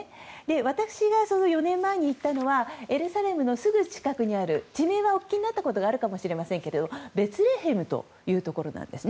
私が４年前に行ったのはエルサレムのすぐ近くにあるお聞きになったことがあるかもしれませんがベツレヘムというところです。